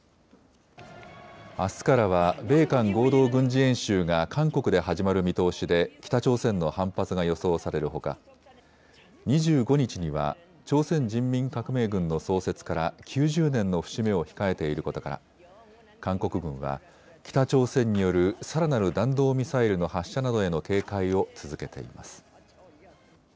あすからは米韓合同軍事演習が韓国で始まる見通しで北朝鮮の反発が予想されるほか２５日には朝鮮人民革命軍の創設から９０年の節目を控えていることから韓国軍は北朝鮮によるさらなる弾道ミサイルの発射などへの警戒を続けています。